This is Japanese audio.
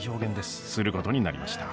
することになりました。